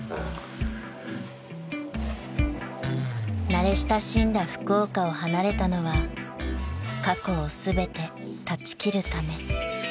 ［慣れ親しんだ福岡を離れたのは過去を全て断ち切るため］